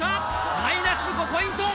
マイナス５ポイント！